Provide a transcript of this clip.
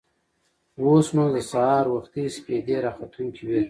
اوس نو د سهار وختي سپېدې راختونکې وې.